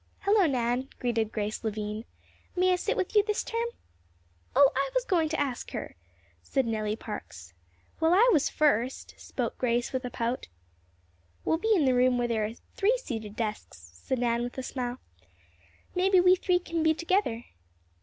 "Hello, Nan," greeted Grace Lavine. "May I sit with you this term?" "Oh, I was going to ask her," said Nellie Parks. "Well, I was first," spoke Grace, with a pout. "We'll be in the room where there are three seated desks," said Nan with a smile. "Maybe we three can be together."